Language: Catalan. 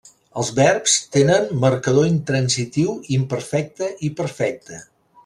Els verbs tenen marcador intransitiu, imperfecte i perfecte.